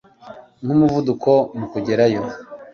Nkumuvuduko mukugerayo